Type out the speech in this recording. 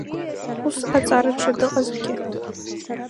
Ус аҵараҿы дыҟазҭгьы…